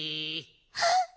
あっ！